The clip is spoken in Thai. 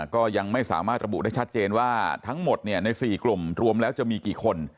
ก็ยังไม่สามารถระบุได้ชัดเจนว่าทั้งหมดใน๔กลุ่มรวมแล้วจะมีกี่คน